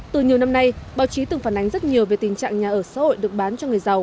từ nhiều năm nay báo chí từng phản ánh rất nhiều về tình trạng nhà ở xã hội được bán cho người giàu